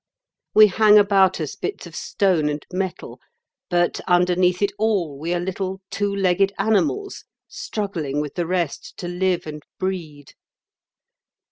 We hang about us bits of stone and metal, but underneath it all we are little two legged animals, struggling with the rest to live and breed.